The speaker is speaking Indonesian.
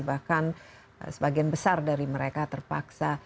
bahkan sebagian besar dari mereka terpaksa